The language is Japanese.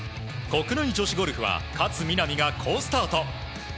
国内女子ゴルフは勝みなみが好スタート。